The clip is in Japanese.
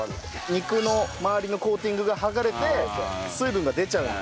肉の周りのコーティングがはがれて水分が出ちゃう。